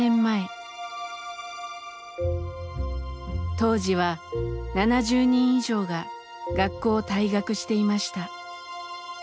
当時は７０人以上が学校を退学していました。